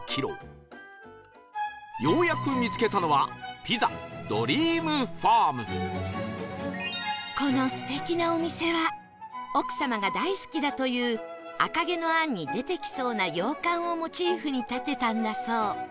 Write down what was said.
ようやく見つけたのはピザこの素敵なお店は奥様が大好きだという『赤毛のアン』に出てきそうな洋館をモチーフに建てたんだそう